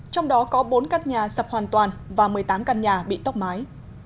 trong đó có bốn căn nhà sập hoàn toàn và một mươi tám căn nhà bị tốc mái